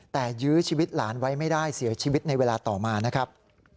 แต่ยื้อชีวิตหลานไว้ไม่ได้เสียชีวิตในเวลาต่อมานะครับ